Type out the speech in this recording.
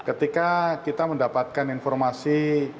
ketika kita mendapatkan informasi